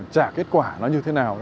trả kết quả nó như thế nào